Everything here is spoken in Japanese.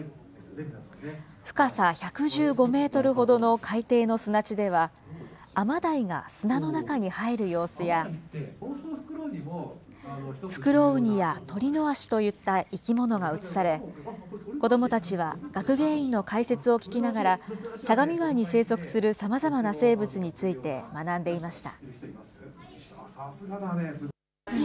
深さ１１５メートルほどの海底の砂地では、アマダイが砂の中に入る様子や、フクロウニやトリノアシといった生き物が映され、子どもたちは学芸員の解説を聞きながら、相模湾に生息するさまざまな生物について学んでいました。